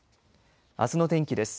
あすの天気です。